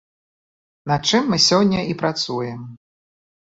Над чым мы сёння і працуем.